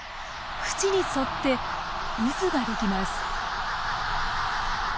縁に沿って渦が出来ます。